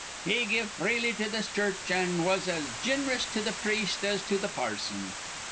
He give freely to th' church, an' was as gin'rous to th' priest as to th' parson.